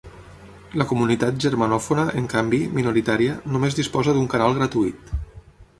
La comunitat germanòfona, en canvi, minoritària, només disposa d'un canal gratuït.